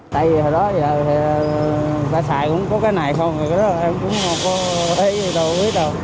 tại vì hồi đó thì xe xài cũng có cái này không em cũng không có ý gì đâu biết đâu